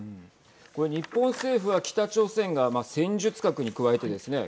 これ日本政府は北朝鮮が戦術核に加えてですね